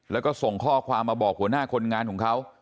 แล้วก็ส่งข้อความมาบอกหัวหน้าคนงานของเขา